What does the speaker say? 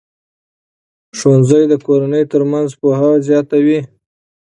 ښوونځي د کورنیو ترمنځ پوهه زیاتوي.